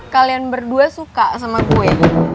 kalian berdua suka sama kue